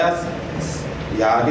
kalau seperti ini